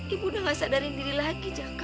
ibu tidak sadarin diri lagi jaka